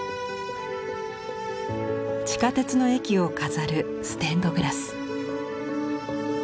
地下鉄の駅を飾るステンドグラス。